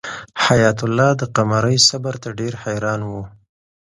حیات الله د قمرۍ صبر ته ډېر حیران و.